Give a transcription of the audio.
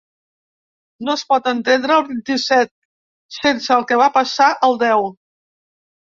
No es pot entendre el vint-i-set sense el que va passar el deu.